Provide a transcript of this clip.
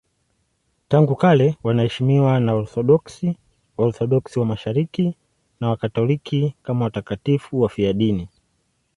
Tangu kale wanaheshimiwa na Waorthodoksi, Waorthodoksi wa Mashariki na Wakatoliki kama watakatifu wafiadini.